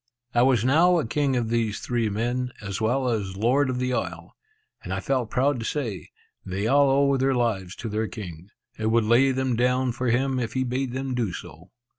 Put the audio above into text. I was now a king of these three men, as well as Lord of the isle; and I felt proud to say, "They all owe their lives to their king, and would lay them down for him if he bade them do so."